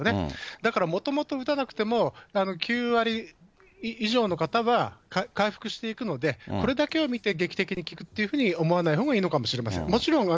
だからもともと打たなくても、９割以上の方は回復していくので、これだけを見て、劇的に効くというふうに思わないほうがいいのかもしれません。